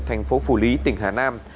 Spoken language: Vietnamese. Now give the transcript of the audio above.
thành phố phủ lý tỉnh hà nam